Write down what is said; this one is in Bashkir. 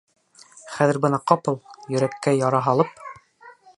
Хәҙер бына ҡапыл... йөрәккә яра һалып.